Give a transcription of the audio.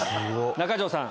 中条さん。